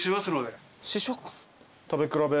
食べ比べ？